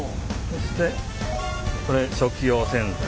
そしてこれ食器用洗剤。